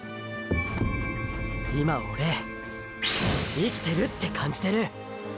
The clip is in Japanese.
今オレ生きてるって感じてる！！